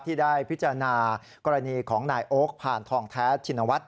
ที่ได้พิจารณากรณีของนายโอ๊คผ่านทองแท้ชินวัฒน